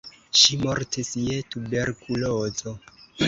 Ŝi mortis je tuberkulozo.